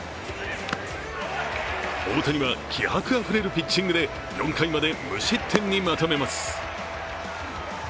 大谷は気迫あふれるピッチングで４回まで無失点にまとめます。